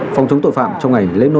phòng chống tội phạm trong ngày hôm nay